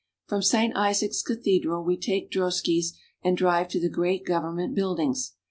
From Saint Isaac's cathedral we take droskies and drive to the great government buildings.